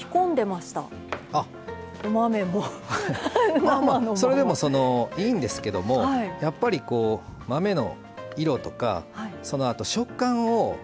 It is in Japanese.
まあまあそれでもいいんですけどもやっぱり豆の色とかあと食感を。